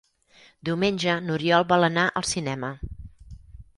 Diumenge n'Oriol vol anar al cinema.